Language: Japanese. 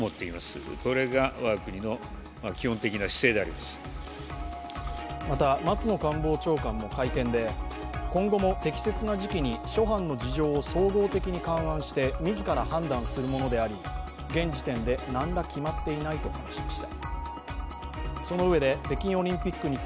また松野官房長官も会見で、今後も適切な時期に諸般の事情を総合的に勘案して自ら判断するものであり、現時点で何ら決まっていないと話しました。